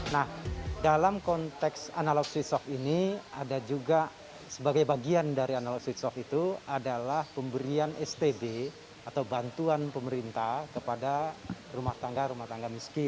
nah dalam konteks analog switch off ini ada juga sebagai bagian dari analog switch off itu adalah pemberian stb atau bantuan pemerintah kepada rumah tangga rumah tangga miskin